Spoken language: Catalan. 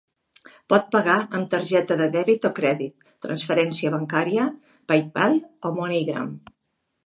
Pot pagar amb targeta de dèbit o crèdit, transferència bancaria, PayPal o MoneyGram.